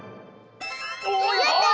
やった！